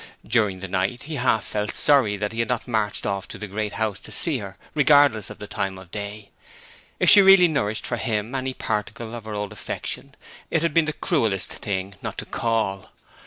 During the night he felt half sorry that he had not marched off to the Great House to see her, regardless of the time of day. If she really nourished for him any particle of her old affection it had been the cruellest thing not to call.